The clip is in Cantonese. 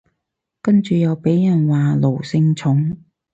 跟住又被人話奴性重